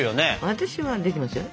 私はできますよ